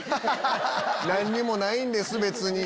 何にもないんです別に。